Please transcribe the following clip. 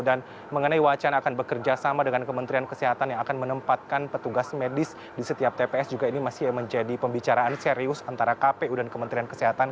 mengenai wacana akan bekerja sama dengan kementerian kesehatan yang akan menempatkan petugas medis di setiap tps juga ini masih menjadi pembicaraan serius antara kpu dan kementerian kesehatan